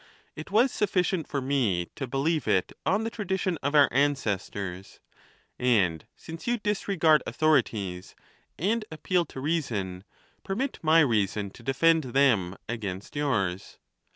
It was sufficient for me to believe it on the tradition of our an cestors ; and since you disregard authorities, and appeal to reason, permit my reason to defend them against yours.